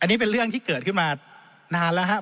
อันนี้เป็นเรื่องที่เกิดขึ้นมานานแล้วครับ